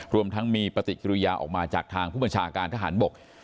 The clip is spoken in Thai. รวมทั้งมีปฏิกิริยาออกมาจากทางผู้บัญชาการทหารบก